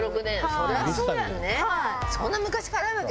そりゃそうやんね。